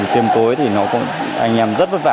tiêm tối thì anh em rất vất vả